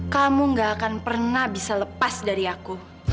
kamu gak akan pernah bisa lepas dari aku